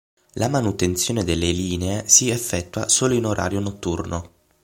La manutenzione delle linee si effettua solo in orario notturno.